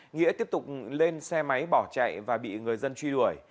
nghĩa tiếp tục lên xe máy bỏ chạy và bị người dân truy đuổi